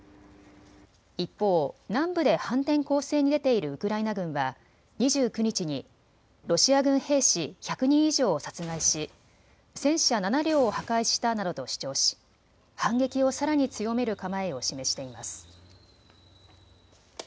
一方、南部で反転攻勢に出ているウクライナ軍は２９日にロシア軍兵士１００人以上を殺害し戦車７両を破壊したなどと主張し反撃をさらに強める構えを示しています。